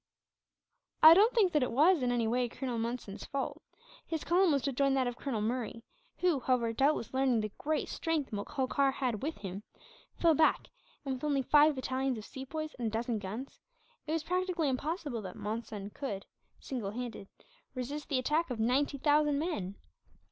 "I don't think that it was, in any way, Colonel Monson's fault. His column was to join that of Colonel Murray who, however, doubtless learning the great strength Holkar had with him, fell back and with only five battalions of Sepoys, and a dozen guns, it was practically impossible that Monson could, single handed, resist the attack of ninety thousand men.